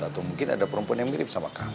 atau mungkin ada perempuan yang mirip sama kami